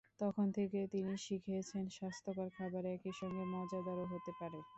তখন থেকে তিনি শিখেছেন স্বাস্থ্যকর খাবার একই সঙ্গে মজাদারও হতে পারে।